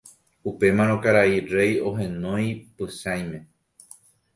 Upémarõ karai rey ohenói Pychãime.